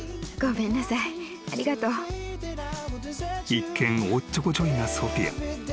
［一見おっちょこちょいなソフィア］